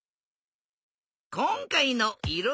こんかいのいろ